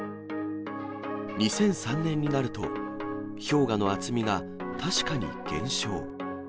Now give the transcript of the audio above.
２００３年になると、氷河の厚みが確かに減少。